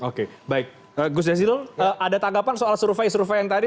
oke baik gus jazilul ada tanggapan soal survei survei yang tadi